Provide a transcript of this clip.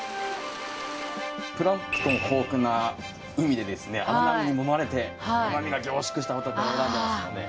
プランクトン豊富な海で荒波に揉まれて旨味が凝縮したほたてを選んでますので。